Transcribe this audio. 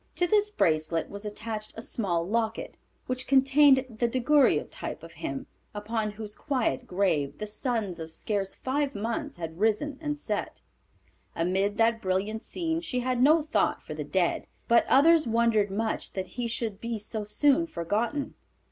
To this bracelet was attached a small locket which contained the daguerreotype of him, upon whose quiet grave the suns of scarce five months had risen and set. Amid that brilliant scene she had no thought for the dead, but others wondered much that he should be so soon forgotten.